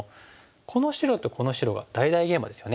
この白とこの白が大々ゲイマですよね。